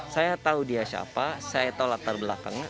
saya tahu dia siapa saya tahu latar belakangnya